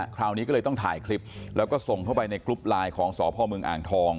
คราวนี้ก็เลยต้องถ่ายคลิปแล้วก็ส่งเข้าไปในกรุ๊ปไลน์ของสพเมืองอ่างทอง